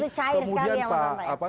karena politik itu cair sekali sama sama ya